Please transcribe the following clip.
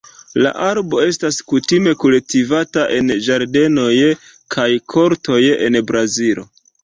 La arbo estas kutime kultivata en ĝardenoj kaj kortoj en Brazilo.